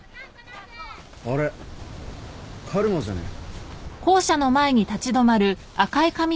あれカルマじゃねえ？